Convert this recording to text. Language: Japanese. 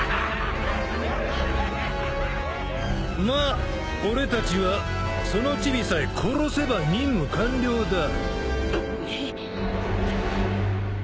まあ俺たちはそのチビさえ殺せば任務完了だ。